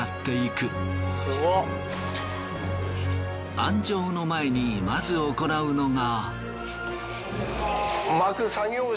庵蒸の前にまず行うのが。